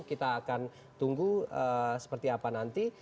kita akan tunggu seperti apa nanti